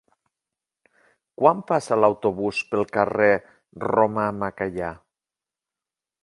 Quan passa l'autobús pel carrer Romà Macaya?